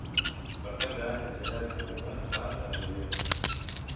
Per Cap d'Any en Gerard i na Duna van a Agullent.